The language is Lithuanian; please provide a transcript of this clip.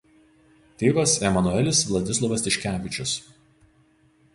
Tėvas Emanuelis Vladislovas Tiškevičius.